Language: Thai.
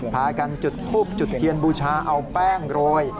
พากันจุดทูบจุดเทียนบูชาเอาแป้งโรย